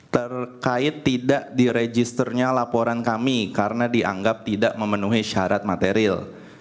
terkait tidak diregisternya laporan kami karena dianggap tidak memenuhi syarat material